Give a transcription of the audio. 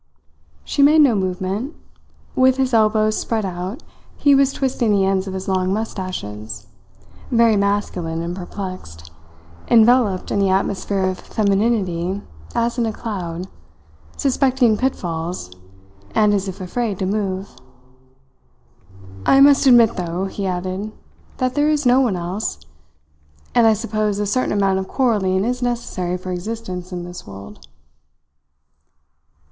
She made no movement. With his elbows spread out he was twisting the ends of his long moustaches, very masculine and perplexed, enveloped in the atmosphere of femininity as in a cloud, suspecting pitfalls, and as if afraid to move. "I must admit, though," he added, "that there is no one else; and I suppose a certain amount of quarrelling is necessary for existence in this world."